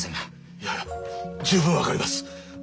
いやいや十分分かります。